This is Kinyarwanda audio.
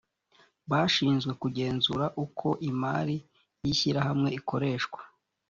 bashinzwe kugenzura uko imari y ishyirahamwe ikoreshwa